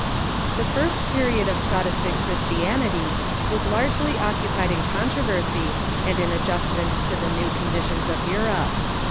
] The first period of Protestant Christianity was largely oc cupied in controversy, and in adjustments to the new condi ,.^.. tions of Europe.